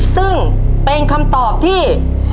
ซึ่งเป็นคำตอบที่